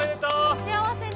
お幸せに。